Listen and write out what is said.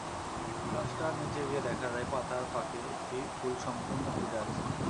গাছটির নিচে গিয়ে দেখা যায়, পাতার ফাঁকে একটি ফুল সম্পূর্ণ ফুটে আছে।